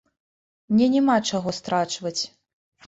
Мне няма чаго страчваць.